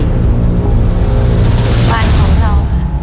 เรื่องที่๖บ้านของเรา